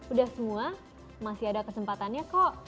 udah semua masih ada kesempatannya kok